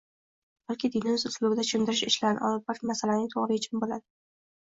balki dinimiz uslubida tushuntirish ishlarini olib borish masalaning to‘g‘ri yechimi bo‘ladi.